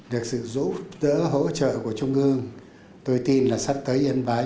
được sự giúp đỡ hỗ trợ của trung ương tôi tin là sắp tới yên bái